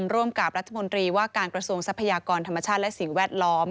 ร่วมกับรัฐมนตรีว่าการกระทรวงทรัพยากรธรรมชาติและสิ่งแวดล้อม